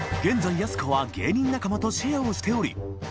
やす子は芸人仲間とシェアをしており隠